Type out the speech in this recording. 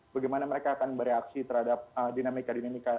bagaimana mereka akan bereaksi terhadap dinamika dinamika